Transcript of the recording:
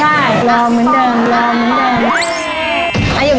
จำได้รอเหมือนเดิม